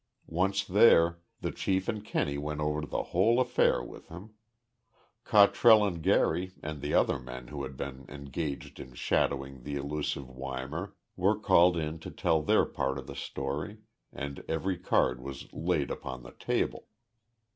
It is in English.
Once there, the chief and Kenney went over the whole affair with him. Cottrell and Gary and the other men who had been engaged in shadowing the elusive Weimar were called in to tell their part of the story, and every card was laid upon the table.